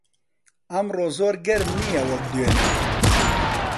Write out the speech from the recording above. ئەمڕۆ زۆر گەرم نییە وەک دوێنێ.